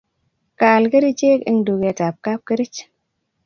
kaal kerichek eng' duketab kapkerich